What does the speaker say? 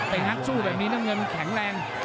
งัดสู้แบบนี้น้ำเงินแข็งแรง